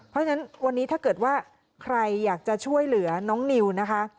เพราะฉะนั้นวันนี้ถ้าเกิดว่าใครอยากจะช่วยเหลือน้องนิวนะคะ